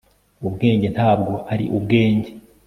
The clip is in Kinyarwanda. ubwenge ntabwo ari ubwenge